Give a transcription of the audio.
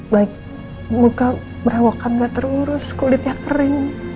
baik muka merawakan gak terurus kulitnya kering